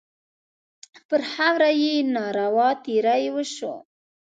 پر خاوره یې ناروا تېری وشو.